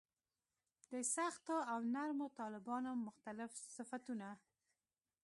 د سختو او نرمو طالبانو مختلف صفونه.